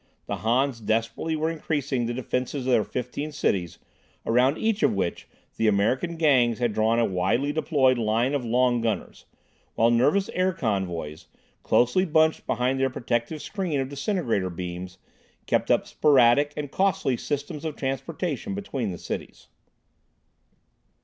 The Hans desperately were increasing the defenses of their fifteen cities, around each of which the American Gangs had drawn a widely deployed line of long gunners; while nervous air convoys, closely bunched behind their protective screen of disintegrator beams, kept up sporadic and costly systems of transportation between the cities.